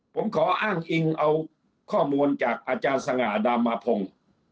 ผมขออ้างอิงเอาข้อมูลจากอาจารย์สง่าดามพงศ์